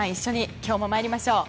今日も参りましょう。